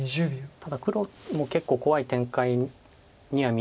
ただ黒も結構怖い展開には見えるんですけれども。